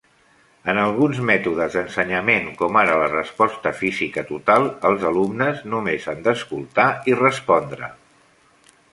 En alguns mètodes d'ensenyament, com ara la Resposta Física Total, els alumnes només han d'escoltar i respondre.